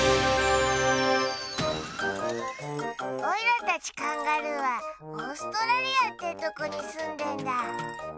オイラたちカンガルーはオーストラリアってとこにすんでんだ。